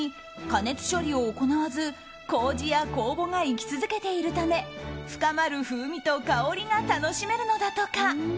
加熱処理を行わず麹や酵母が生き続けているため深まる風味と香りが楽しめるのだとか。